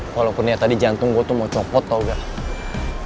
walaupun dia tadi jantung gua tuh mau copot tau gak